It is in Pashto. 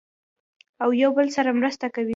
او یو بل سره مرسته کوي.